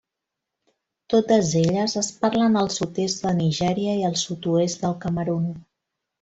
Totes elles es parlen al sud-est de Nigèria i al sud-oest del Camerun.